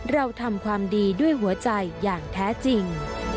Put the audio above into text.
เราทำความดีด้วยหัวใจอย่างแท้จริง